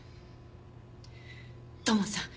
土門さん